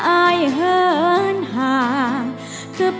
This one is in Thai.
แสนสองครับผมแสนสองครับผม